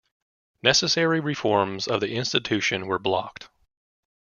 Necessary reforms of the institution were blocked.